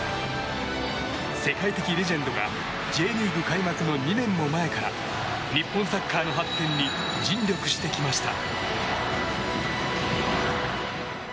世界的レジェンドがＪリーグ開幕の２年も前から日本サッカーの発展に尽力してきました。